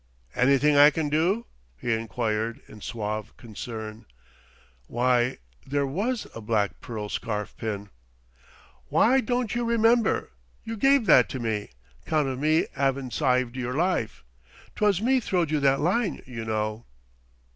"Anything I can do?" he inquired, in suave concern. "Why ... there was a black pearl scarfpin " "W'y, don't you remember? You gave that to me, 'count of me 'avin syved yer life. 'Twas me throwed you that line, you know."